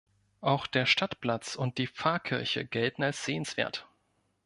Auch der Stadtplatz und die Pfarrkirche gelten als sehenswert.